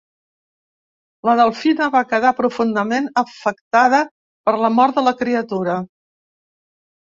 La delfina va quedar profundament afectada per la mort de la criatura.